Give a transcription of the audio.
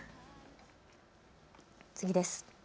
次です。